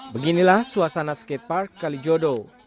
beginilah suasana skatepark kalijodo